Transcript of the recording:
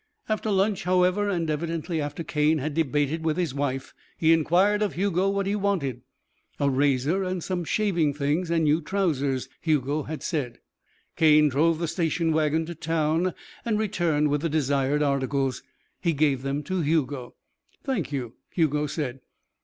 After lunch, however, and evidently after Cane had debated with his wife, he inquired of Hugo what he wanted. A razor and some shaving things and new trousers, Hugo had said. Cane drove the station wagon to town and returned with the desired articles. He gave them to Hugo. "Thank you," Hugo said.